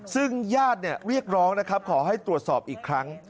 ซึ่งญาติเรียกร้องนะครับขอให้ตรวจสอบอีกครั้ง